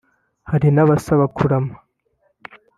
hari n'abasaba kurama